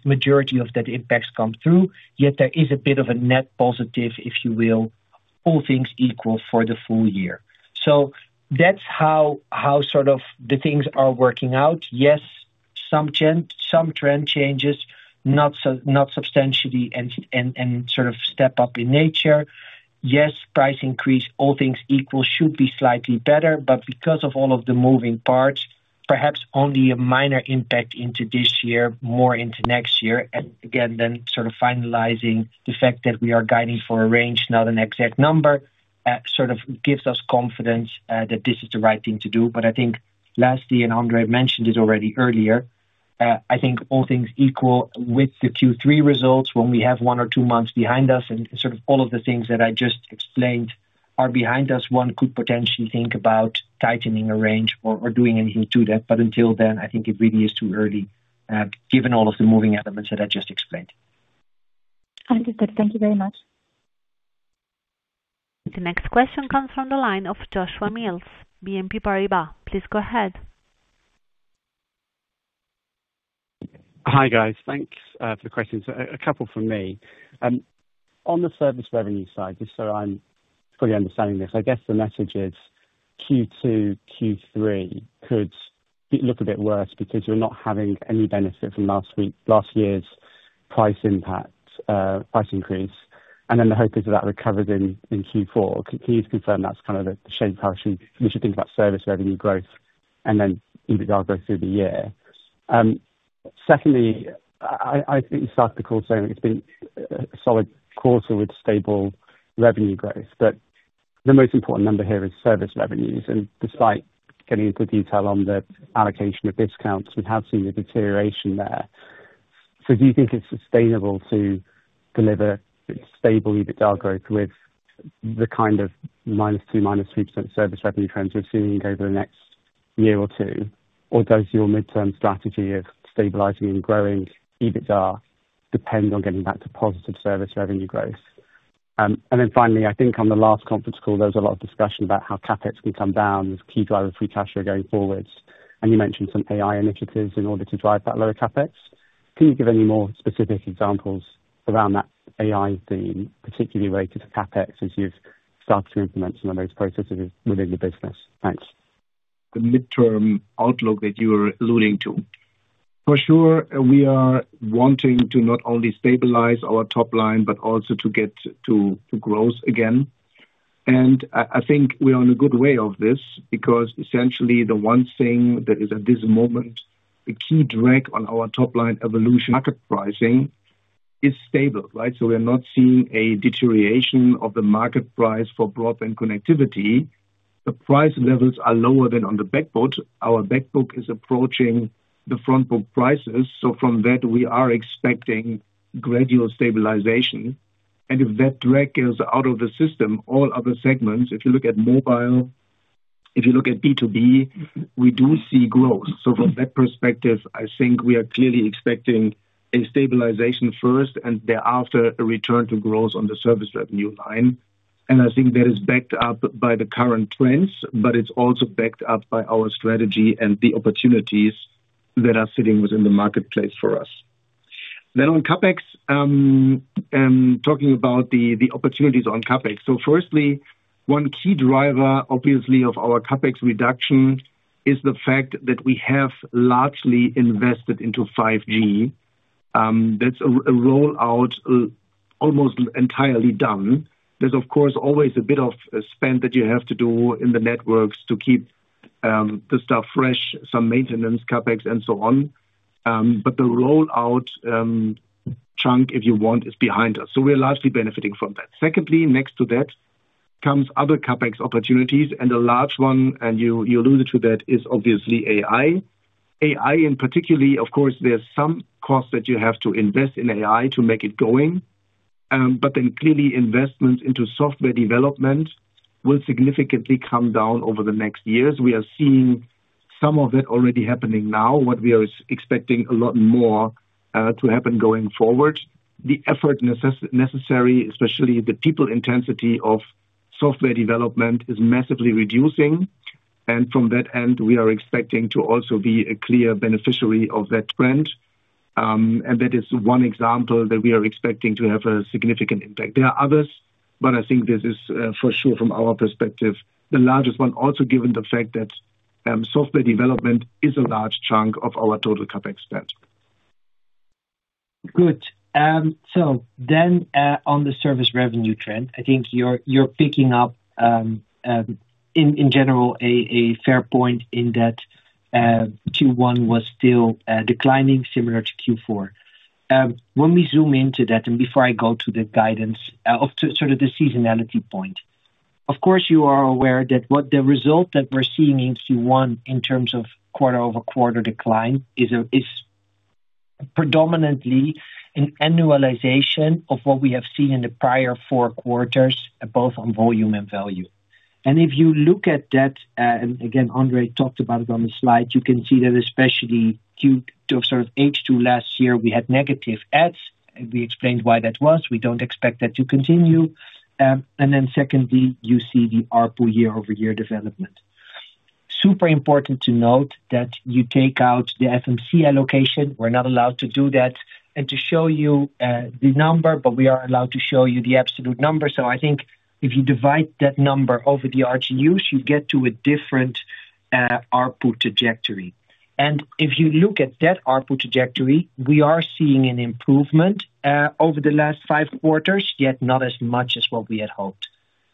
majority of that impact come through. Yet there is a bit of a net positive, if you will, all things equal, for the full year. That's how sort of the things are working out. Yes, some trend changes, not so-- not substantially and sort of step up in nature. Yes, price increase, all things equal, should be slightly better, but because of all of the moving parts, perhaps only a minor impact into this year, more into next year. Again, then, sort of finalizing the fact that we are guiding for a range, not an exact number, sort of gives us confidence that this is the right thing to do. I think lastly, and André mentioned it already earlier, I think all things equal with the Q3 results, when we have one or two months behind us and sort of all of the things that I just explained are behind us, one could potentially think about tightening a range or doing anything to that. Until then, I think it really is too early, given all of the moving elements that I just explained. Understood. Thank you very much. The next question comes from the line of Joshua Mills, BNP Paribas. Please go ahead. Hi, guys. Thanks for the questions. A couple from me. On the service revenue side, just so I'm fully understanding this, I guess the message is Q2, Q3 could look a bit worse because you're not having any benefit from last year's price impact, price increase, and then the hope is that that recovers in Q4. Can you confirm that's kind of the shape, how we should think about service revenue growth and then EBITDA growth through the year? Secondly, I think you started the call saying it's been a solid quarter with stable revenue growth. The most important number here is service revenues. Despite getting into detail on the allocation of discounts, we have seen a deterioration there. Do you think it's sustainable to deliver stable EBITDA growth with the kind of -2% to -3% service revenue trends we're seeing over the next one or two? Does your midterm strategy of stabilizing and growing EBITDA depend on getting back to positive service revenue growth? Finally, I think on the last conference call, there was a lot of discussion about how CapEx can come down as key driver free cash flow going forwards, and you mentioned some AI initiatives in order to drive that lower CapEx. Can you give any more specific examples around that AI theme, particularly related to CapEx as you've started to implement some of those processes within the business? Thanks. The midterm outlook that you're alluding to. For sure, we are wanting to not only stabilize our top line, but also to get to growth again. I think we are on a good way of this because essentially the one thing that is, at this moment, the key drag on our top line evolution market pricing is stable, right? We are not seeing a deterioration of the market price for broadband connectivity. The price levels are lower than on the back book. Our back book is approaching the front book prices. From that, we are expecting gradual stabilization. If that drag is out of the system, all other segments, if you look at mobile, if you look at B2B, we do see growth. From that perspective, I think we are clearly expecting a stabilization first and thereafter a return to growth on the service revenue line. I think that is backed up by the current trends, but it's also backed up by our strategy and the opportunities that are sitting within the marketplace for us. On CapEx, talking about the opportunities on CapEx. Firstly, one key driver, obviously, of our CapEx reduction is the fact that we have largely invested into 5G. That's a rollout almost entirely done. There's of course, always a bit of spend that you have to do in the networks to keep the stuff fresh, some maintenance, CapEx, and so on. But the rollout chunk, if you want, is behind us. We are largely benefiting from that. Secondly, next to that comes other CapEx opportunities. A large one, and you alluded to that, is obviously AI. AI in particularly, of course, there's some cost that you have to invest in AI to make it going. Clearly investments into software development will significantly come down over the next years. We are seeing some of it already happening now, what we are expecting a lot more to happen going forward. The effort necessary, especially the people intensity of software development, is massively reducing. From that end, we are expecting to also be a clear beneficiary of that trend. That is one example that we are expecting to have a significant impact. There are others, but I think this is for sure, from our perspective, the largest one also given the fact that software development is a large chunk of our total CapEx spend. Good. On the service revenue trend, I think you're picking up in general a fair point in that Q1 was still declining similar to Q4. When we zoom into that and before I go to the guidance, of to sort of the seasonality point, of course, you are aware that what the result that we're seeing in Q1 in terms of quarter-over-quarter decline is predominantly an annualization of what we have seen in the prior four quarters, both on volume and value. If you look at that, and again, André talked about it on the slide, you can see that especially Q2 to sort of H2 last year, we had negative ads, and we explained why that was. We don't expect that to continue. Secondly, you see the ARPU year-over-year development. Super important to note that you take out the FMC allocation. We're not allowed to do that and to show you the number, but we are allowed to show you the absolute number. I think if you divide that number over the RGUs, you get to a different ARPU trajectory. If you look at that ARPU trajectory, we are seeing an improvement over the last five quarters, yet not as much as what we had hoped.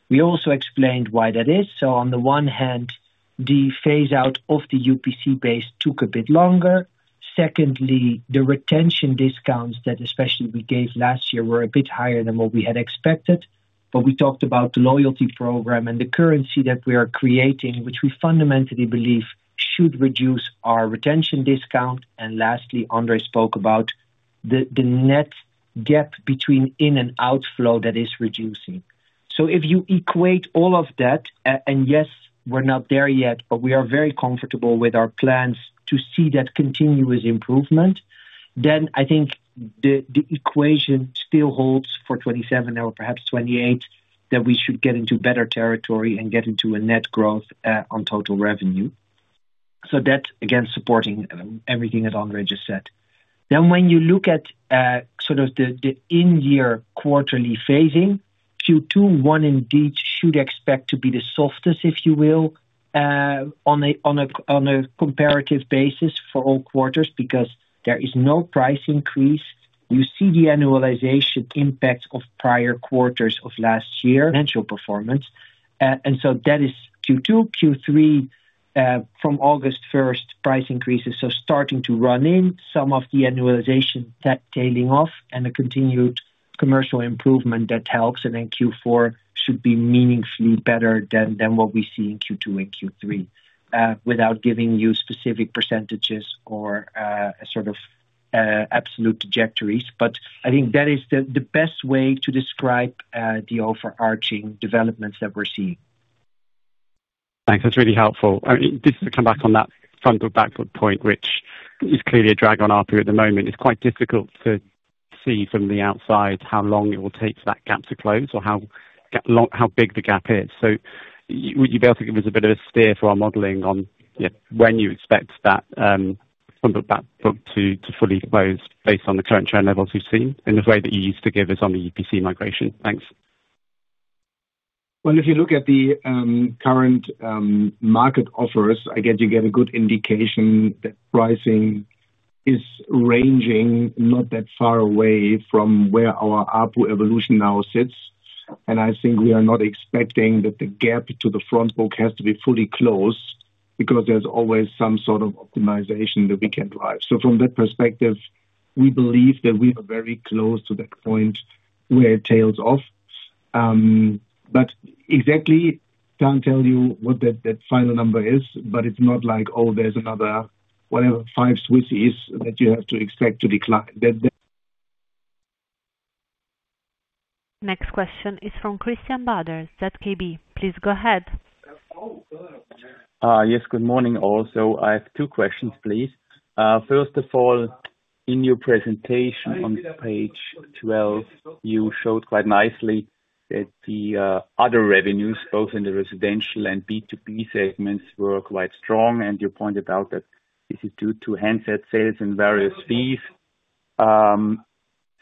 We also explained why that is. On the one hand, the phase out of the UPC base took a bit longer. Secondly, the retention discounts that especially we gave last year were a bit higher than what we had expected. We talked about the loyalty program and the currency that we are creating, which we fundamentally believe should reduce our retention discount. Lastly, André spoke about the net gap between in and outflow that is reducing. If you equate all of that, and yes, we're not there yet, but we are very comfortable with our plans to see that continuous improvement, then I think the equation still holds for 27 or perhaps 28, that we should get into better territory and get into a net growth on total revenue. That's again supporting everything that André just said. When you look at sort of the in-year quarterly phasing, Q2, one indeed should expect to be the softest, if you will, on a comparative basis for all quarters because there is no price increase. You see the annualization impact of prior quarters of last year financial performance. That is Q2. Q3, from August 1st, price increases. Starting to run in some of the annualization tailing off and a continued commercial improvement that helps. Then Q4 should be meaningfully better than what we see in Q2 and Q3, without giving you specific percentages or a sort of absolute trajectories. I think that is the best way to describe the overarching developments that we're seeing. Thanks. That's really helpful. Just to come back on that front good point, which is clearly a drag on ARPU at the moment. It's quite difficult to see from the outside how long it will take that gap to close or how big the gap is. Would you be able to give us a bit of a steer for our modeling on when you expect that front book, back book to fully close based on the current trend levels we've seen in the way that you used to give us on the UPC migration? Thanks. Well, if you look at the current market offers, I guess you get a good indication that pricing is ranging not that far away from where our ARPU evolution now sits. I think we are not expecting that the gap to the front book has to be fully closed because there's always some sort of optimization that we can drive. From that perspective, we believe that we are very close to that point where it tails off. Exactly, can't tell you what that final number is, but it's not like, oh, there's another, whatever 5 that you have to expect to decline. Next question is from Christian Bader, ZKB. Please go ahead. Yes. Good morning also. I have two questions, please. First of all, in your presentation on page 12, you showed quite nicely that the other revenues, both in the residential and B2B segments, were quite strong. You pointed out that this is due to handset sales and various fees.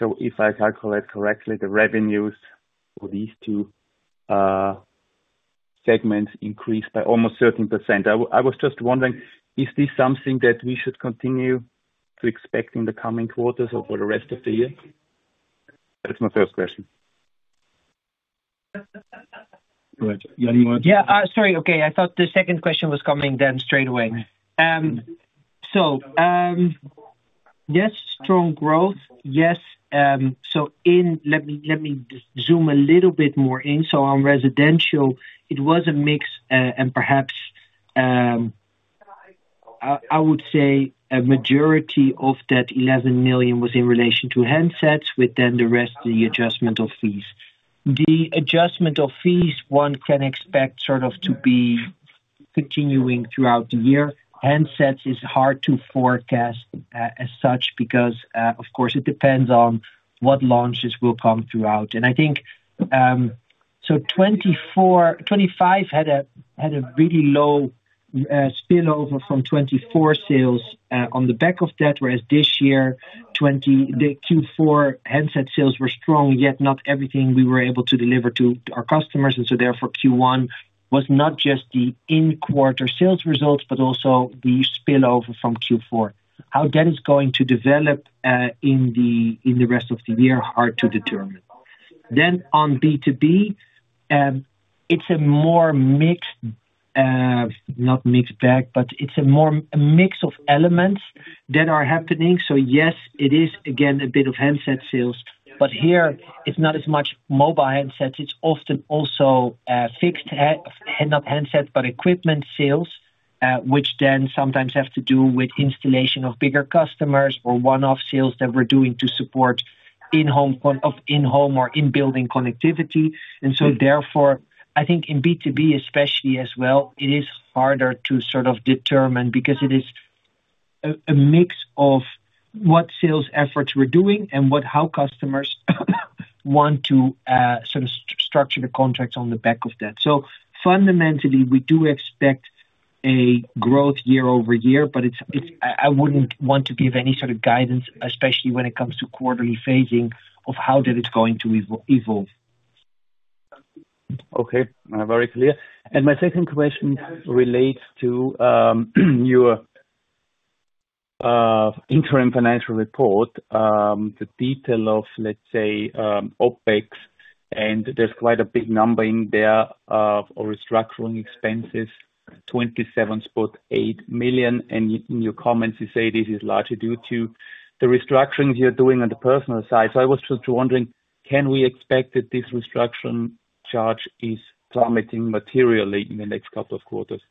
If I calculate correctly, the revenues for these two segments increased by almost 13%. I was just wondering, is this something that we should continue to expect in the coming quarters or for the rest of the year? That's my 1st question. Go ahead. Yeah. Yeah. Sorry. Okay. I thought the second question was coming then straight away. Yes, strong growth. Let me zoom a little bit more in. On residential, it was a mix, and perhaps, I would say a majority of that 11 million was in relation to handsets, with then the rest the adjustment of fees. The adjustment of fees, one can expect sort of to be continuing throughout the year. Handsets is hard to forecast as such because, of course, it depends on what launches will come throughout. I think 2025 had a really low spillover from 2024 sales on the back of that. Whereas this year, the Q4 handset sales were strong, yet not everything we were able to deliver to our customers. Therefore, Q1 was not just the in-quarter sales results, but also the spillover from Q4. How that is going to develop in the rest of the year, hard to determine. On B2B, it's a more mixed, not mixed bag, but it's a more a mix of elements that are happening. Yes, it is again, a bit of handset sales, but here it's not as much mobile handsets. It's often also, fixed not handsets, but equipment sales, which then sometimes have to do with installation of bigger customers or one-off sales that we're doing to support in-home or in-building connectivity. Therefore, I think in B2B especially as well, it is harder to sort of determine because it is a mix of what sales efforts we're doing and how customers want to sort of structure the contracts on the back of that. Fundamentally, we do expect a growth year-over-year, but it's I wouldn't want to give any sort of guidance, especially when it comes to quarterly phasing of how that is going to evolve. Okay. Very clear. My second question relates to your interim financial report. The detail of, let's say, OpEx, and there's quite a big number in there of restructuring expenses, 27.8 million. In your comments you say this is largely due to the restructurings you're doing on the personal side. I was just wondering, can we expect that this restructuring charge is plummeting materially in the next couple of quarters?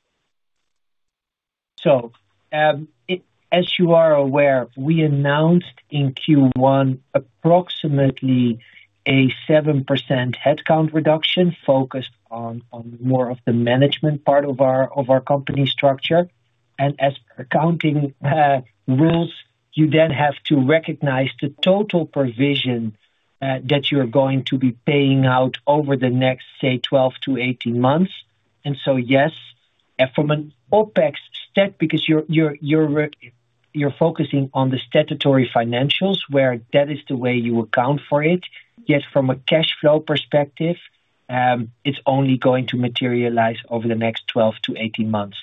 As you are aware, we announced in Q1 approximately a 7% headcount reduction focused on more of the management part of our company structure. As per accounting rules, you then have to recognize the total provision that you're going to be paying out over the next, say, 12 to 18 months. Yes, from an OpEx stat, because you're focusing on the statutory financials where that is the way you account for it. Yet, from a cash flow perspective, it's only going to materialize over the next 12 to 18 months.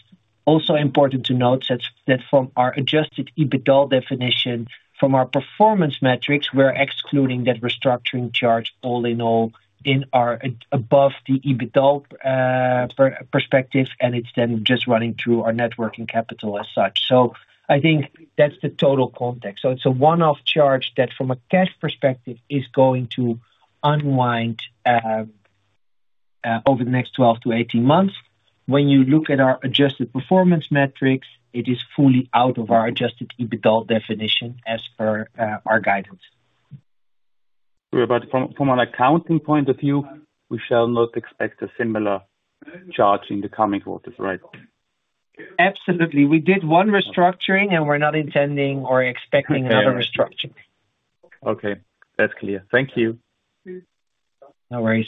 Also important to note that from our adjusted EBITDA definition, from our performance metrics, we're excluding that restructuring charge all in all above the EBITDA perspective, and it's then just running through our net working capital as such. I think that's the total context. It's a one-off charge that from a cash perspective is going to unwind over the next 12 to 18 months. When you look at our adjusted performance metrics, it is fully out of our adjusted EBITDA definition as per our guidance. From an accounting point of view, we shall not expect a similar charge in the coming quarters, right? Absolutely. We did one restructuring and we're not intending or expecting another restructuring. Okay. That's clear. Thank you. No worries.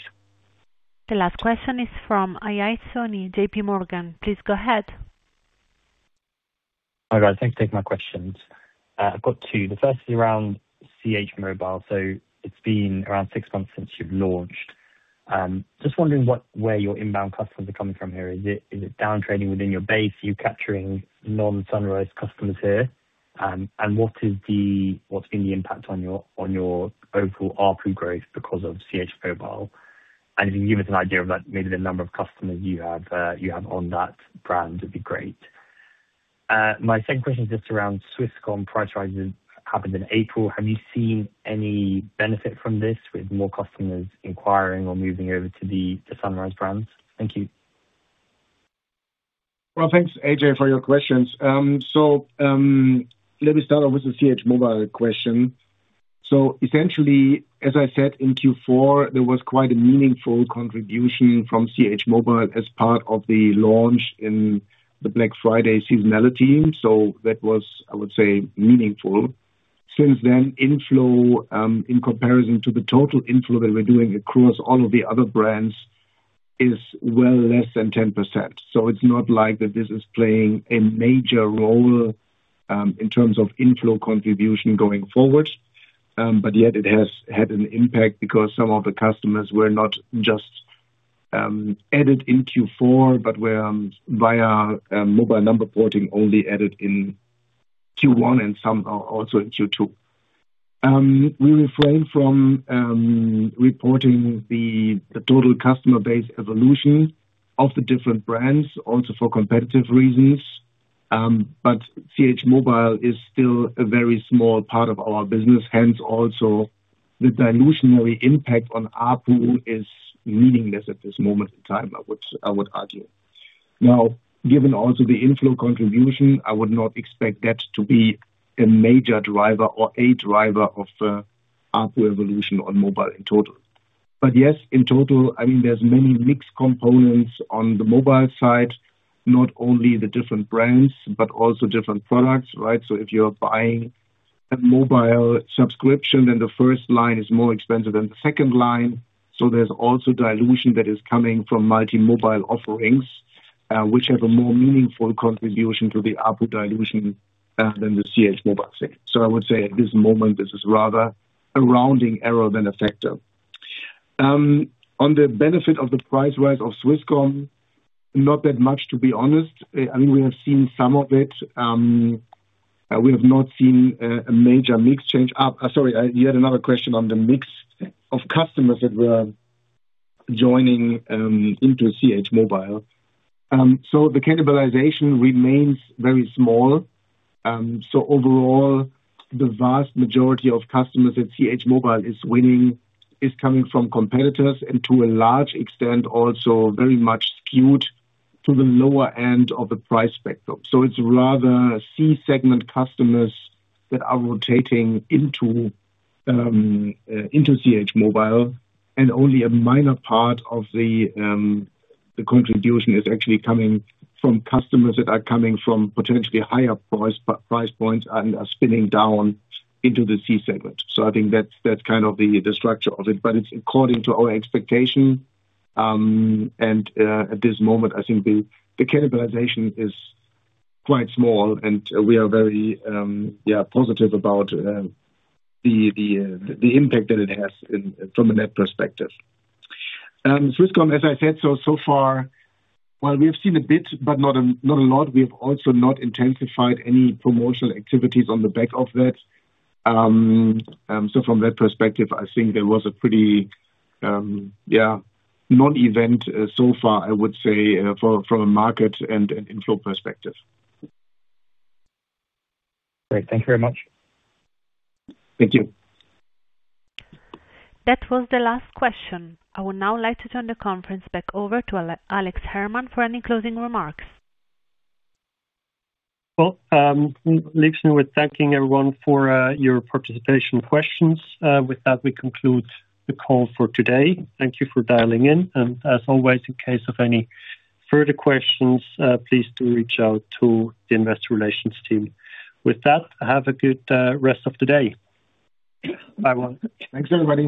The last question is from Ajay Soni, JP Morgan. Please go ahead. Hi, guys. Thanks for taking my questions. I've got two. The first is around CHmobile. It's been around six months since you've launched. Just wondering where your inbound customers are coming from here. Is it downtrending within your base? Are you capturing non-Sunrise customers here? What's been the impact on your overall ARPU growth because of CHmobile? If you can give us an idea of, like, maybe the number of customers you have on that brand, it'd be great. My second question is just around Swisscom price rises happened in April. Have you seen any benefit from this with more customers inquiring or moving over to the Sunrise brands? Thank you. Thanks, Ajay Soni, for your questions. Let me start off with the CHmobile question. Essentially, as I said in Q4, there was quite a meaningful contribution from CHmobile as part of the launch in the Black Friday seasonality. That was, I would say, meaningful. Since then, inflow, in comparison to the total inflow that we're doing across all of the other brands is well less than 10%. It's not like that this is playing a major role in terms of inflow contribution going forward. Yet it has had an impact because some of the customers were not just added in Q4, but were via a mobile number porting only added in Q1 and some are also in Q2. We refrain from reporting the total customer base evolution of the different brands also for competitive reasons. But CHmobile is still a very small part of our business, hence also the dilutionary impact on ARPU is meaningless at this moment in time, I would argue. Now, given also the inflow contribution, I would not expect that to be a major driver or a driver of ARPU evolution on mobile in total. Yes, in total, I mean, there's many mixed components on the mobile side, not only the different brands, but also different products, right? If you're buying a mobile subscription in the first line is more expensive than the second line, there's also dilution that is coming from multi-mobile offerings, which have a more meaningful contribution to the ARPU dilution than the CHmobile segment. I would say at this moment, this is rather a rounding error than a factor. On the benefit of the price rise of Swisscom, not that much, to be honest. I mean, we have seen some of it. We have not seen a major mix change. Sorry, you had another question on the mix of customers that were joining into CHmobile. The cannibalization remains very small. Overall, the vast majority of customers that CHmobile is winning is coming from competitors and to a large extent, also very much skewed to the lower end of the price spectrum. It's rather C segment customers that are rotating into CHmobile. Only a minor part of the contribution is actually coming from customers that are coming from potentially higher price points and are spinning down into the C segment. I think that's kind of the structure of it. It's according to our expectation. At this moment, I think the cannibalization is quite small, and we are very, yeah, positive about the impact that it has from a net perspective. Swisscom, as I said, so far while we have seen a bit, but not a lot, we have also not intensified any promotional activities on the back of that. From that perspective, I think there was a pretty, yeah, non-event so far, I would say, from a market and inflow perspective. Great. Thank you very much. Thank you. That was the last question. I would now like to turn the conference back over to Alex Herrmann for any closing remarks. Well, we'll leave soon with thanking everyone for your participation questions. With that, we conclude the call for today. Thank you for dialing in. As always, in case of any further questions, please do reach out to the investor relations team. With that, have a good rest of the day. Bye bye. Thanks, everybody.